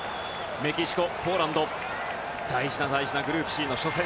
メキシコ、ポーランド大事な大事なグループＣの初戦。